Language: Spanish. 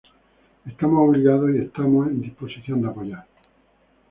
Estamos obligados y estamos en la disposición de apoyar.